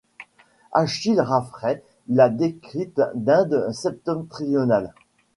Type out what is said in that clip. Achille Raffray l'a décrite d'Inde septentrionale.